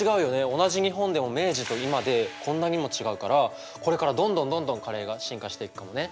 同じ日本でも明治と今でこんなにも違うからこれからどんどんどんどんカレーが進化していくかもね。